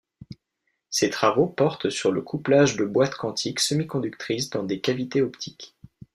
Ses travaux portent sur le couplage de boîtes quantiques semi-conductrices dans des cavités optiques.